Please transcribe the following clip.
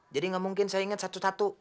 jadi gak mungkin saya inget satu satu